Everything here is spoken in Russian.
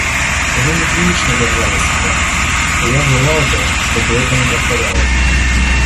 Вы неприлично держали себя, и я желал бы, чтоб это не повторялось.